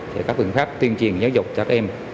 sẽ có quyền pháp tuyên truyền giáo dục cho các em